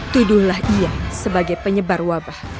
tuduhlah ia sebagai penyebar wabah